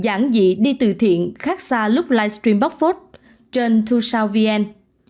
giảng dị đi từ thiện khác xa lúc livestream bóc phốt trên hai svn